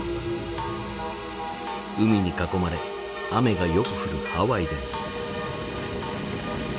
海に囲まれ雨がよく降るハワイでも。